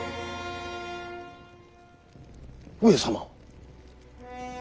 上様。